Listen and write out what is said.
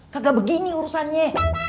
kagak begini urusannya